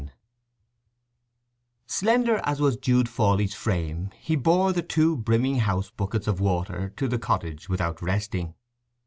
II Slender as was Jude Fawley's frame he bore the two brimming house buckets of water to the cottage without resting.